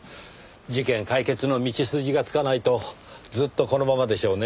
事件解決の道筋がつかないとずっとこのままでしょうねぇ。